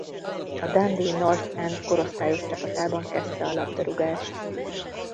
A Dundee North End korosztályos csapatában kezdte a labdarúgást.